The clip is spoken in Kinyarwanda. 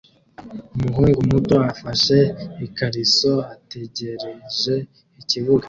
Umuhungu muto afashe ikariso ategereje ikibuga